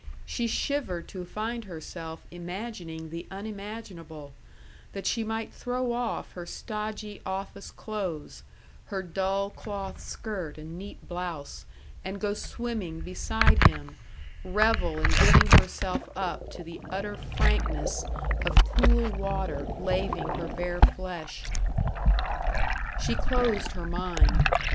She shivered to find herself imagining the unimaginable that she might throw off her stodgy office clothes, her dull cloth skirt and neat blouse, and go swimming beside him, revel in giving herself up to the utter frankness of cool water laving her bare flesh. She closed her mind.